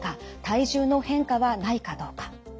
体重の変化はないかどうか。